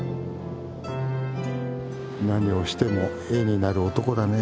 何をしても絵になる男だね。